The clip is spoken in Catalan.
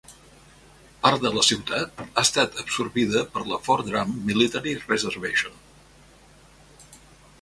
Part de la ciutat ha estat absorbida per la Fort Drum Military Reservation.